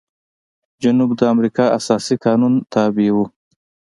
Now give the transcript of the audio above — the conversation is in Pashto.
جنوب د امریکا اساسي قانون تابع و.